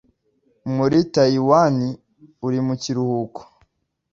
muri Tayiwani uri mu kiruhuko